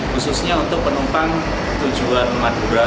khususnya untuk penumpang tujuan madura